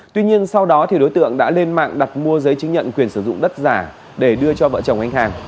tuy nhiên sau đó đối tượng đã lên mạng đặt mua giấy chứng nhận quyền sử dụng đất giả để đưa cho vợ chồng anh hàng